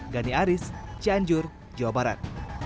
gani aris cianjur jawa barat